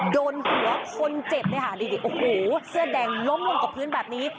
โดนหัวคนเจ็บเนี่ยค่ะโอ้โหเสื้อแดงล้มลงกับพื้นแบบนี้